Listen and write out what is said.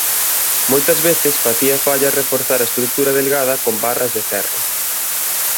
Moitas veces facía falla reforzar a estrutura delgada con barras de ferro.